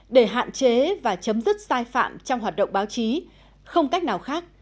để hạn chế và chấm dứt sai phạm trong hoạt động báo chí không cách nào khác